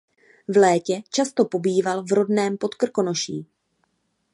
V létě často pobýval v rodném Podkrkonoší.